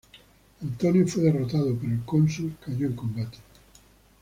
Antonio fue derrotado, pero el cónsul cayó en combate.